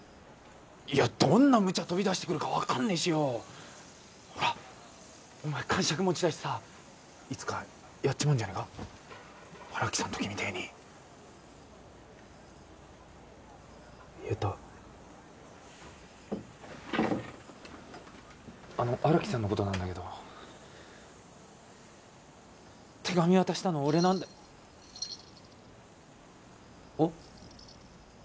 いやどんなムチャ飛び出してくるか分かんねえしよほらお前癇癪持ちだしさいつかやっちまうんじゃねえか荒木さんのときみてえに言えたあの荒木さんのことなんだけど手紙渡したの俺なんだおッ？